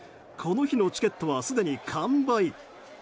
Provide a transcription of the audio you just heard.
この日のチケットはすでに完売。